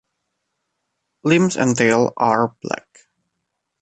Limbs and tail are black.